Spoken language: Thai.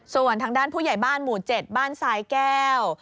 ส่วนทางด้านผู้ใหญ่บ้านหมู่๗บ้านทรายแก้ว